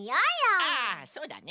ああそうだね。